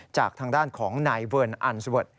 จากทางด้านของนายเวิร์นอันสเวิร์ด